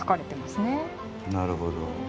なるほど。